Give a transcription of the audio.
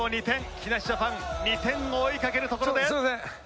木梨ジャパン２点を追いかけるところで。